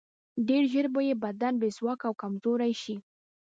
ډېر ژر به یې بدن بې ځواکه او کمزوری شي.